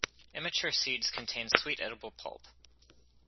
Immature seeds contain sweet edible pulp.